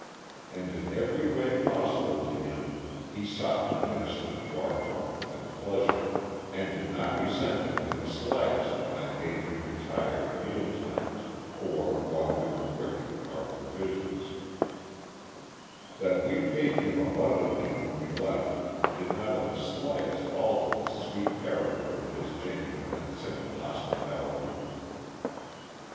And in every way possible to him he sought to minister to our comfort and pleasure, and did not resent it in the slightest when I bade him retire at meal times, or while we were cooking our provisions. [Illustration: MY HOPI HOSTESS WHO KEPT THE NEIGHBORHOOD QUIET WHILE I SLEPT.] That we paid him abundantly when we left did not in the slightest alter the sweet character of his genuine and simple hospitality.